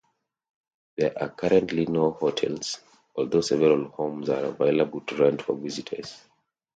There are currently no hotels, although several homes are available to rent for visitors.